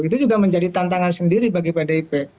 itu juga menjadi tantangan sendiri bagi pdip